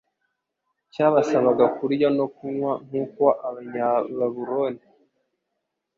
cyabasabaga kurya no kunywa nk’uko Abanyababuloni